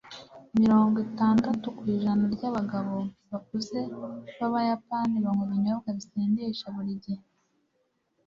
mirongo itandatu kwijana ryabagabo bakuze b'abayapani banywa ibinyobwa bisindisha buri gihe